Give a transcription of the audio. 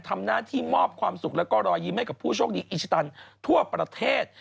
ทำหน้าที่มอบความสุขแล้วก็รอยยิ้มให้กับผู้โชคดีอิชิตันทั่วประเทศ